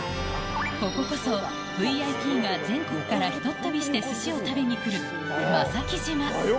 こここそ、ＶＩＰが全国からひとっ飛びしてすしを食べに来る間崎島。